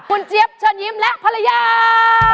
คุณเจี๊ยบเชิญยิ้มและภรรยา